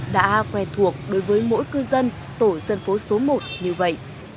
đã quen thuộc đối với mỗi cư dân tổ dân phố số một như vậy